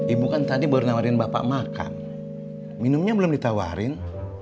ibu kan tadi baru nawarin bapak makan minumnya belum ditawarin